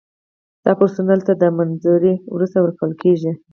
دا پرسونل ته د منظورۍ وروسته ورکول کیږي.